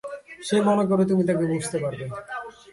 সে মনে করে তুমি তাকে বুঝতে পারবে।